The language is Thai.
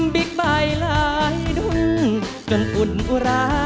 บิ๊กใบหลายรุ่นจนอุ่นอุระ